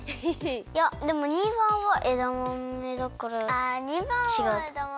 いやでも②ばんはえだまめだからちがう。